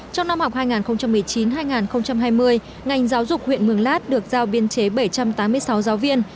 trong năm học hai nghìn một mươi chín hai nghìn hai mươi ngành giáo dục huyện mường lát được giao biên chế bảy trăm tám mươi sáu giáo viên